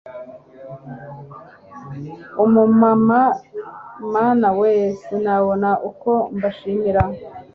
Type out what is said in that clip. Umumama mana we sinabona uko mbashimira